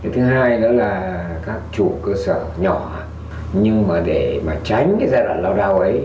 thứ hai nữa là các chủ cơ sở nhỏ nhưng mà để mà tránh cái giai đoạn lao đao ấy